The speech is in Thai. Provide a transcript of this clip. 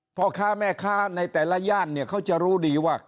พ่อค้าแม่ค้าในแต่ละย่านเนี่ยเขาจะรู้ดีว่า